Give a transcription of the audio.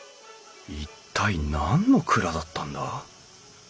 一体何の蔵だったんだ？